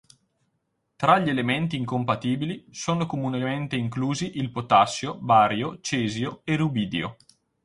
Tra gli elementi incompatibili sono comunemente inclusi il potassio, bario, cesio e rubidio.